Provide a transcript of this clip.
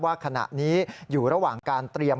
ว่าขณะนี้อยู่ระหว่างการเตรียม